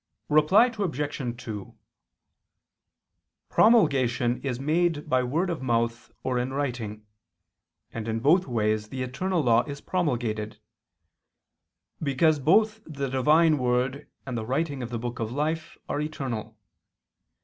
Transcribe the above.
Reply Obj. 2: Promulgation is made by word of mouth or in writing; and in both ways the eternal law is promulgated: because both the Divine Word and the writing of the Book of Life are eternal.